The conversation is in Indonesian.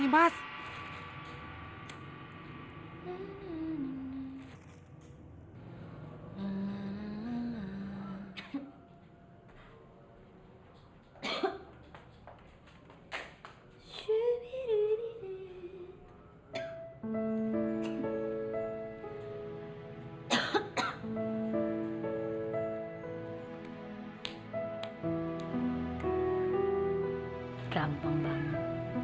biar saya kesana